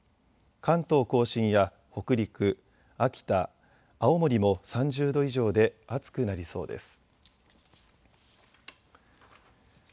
関東甲信や北陸、秋田、青森も３０度以上で暑くなりそうです。